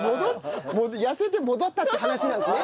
痩せて戻ったって話なんですね。